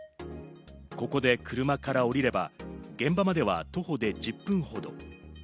ここで車から降りれば、現場までは徒歩で１０分ほど。